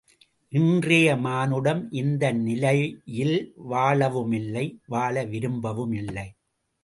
இன்றைய மானுடம் இந்த நிலையில் வாழவுமில்லை வாழ விரும்பவுமில்லை.